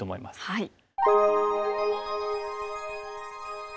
はい。